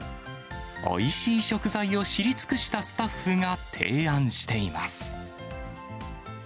おいしい食材を知り尽くしたスタッフが提案しています。